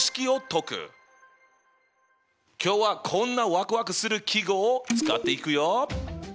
今日はこんなわくわくする記号を使っていくよ。